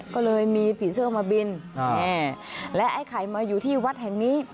ก็เลยมีผีเสื้อมาบินและไอ้ไข่มาอยู่ที่วัดแห่งนี้